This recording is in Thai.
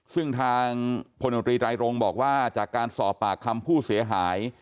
ซึ่งทางพลโนตรีไตรรงบอกว่าจากการสอบปากคำผู้เสียหาย